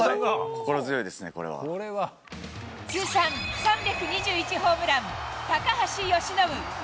心強いです通算３２１ホームラン、高橋由伸。